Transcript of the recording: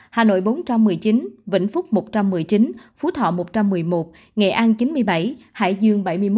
hà nội bốn trăm một mươi chín vĩnh phúc một trăm một mươi chín phú thọ một trăm một mươi một nghệ an chín mươi bảy hải dương bảy mươi một